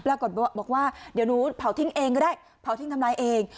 ปรากฏว่าบอกว่าเดี๋ยวหนูเผาทิ้งเองก็ได้เผาทิ้งทำลายเอง